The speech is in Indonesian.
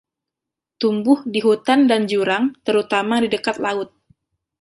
Tumbuh di hutan dan jurang, terutama di dekat laut.